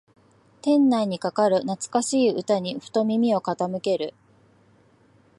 店内にかかる懐かしい歌にふと耳を傾ける